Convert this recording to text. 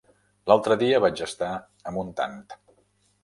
L'altre dia vaig estar a Montant.